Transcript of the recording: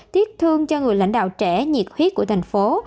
tiếc thương cho người lãnh đạo trẻ nhiệt huyết của thành phố